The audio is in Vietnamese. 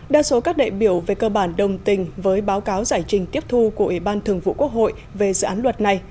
đa số các đại biểu về cơ bản đồng tình với báo cáo giải trình tiếp thu của ủy ban thường vụ quốc hội về dự án luật này